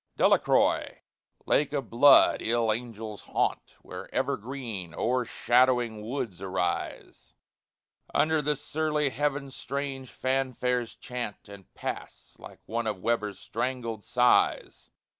DELACROIX, lake of blood ill angels haunt, Where ever green, o'ershadowing woods arise; Under the surly heaven strange fanfares chaunt And pass, like one of Weber's strangled sighs.